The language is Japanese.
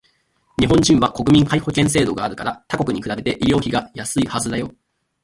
日本人は国民皆保険制度があるから他国に比べて医療費がやすいはずだよ